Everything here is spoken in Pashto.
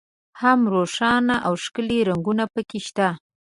هم روښانه او ښکلي رنګونه په کې شته.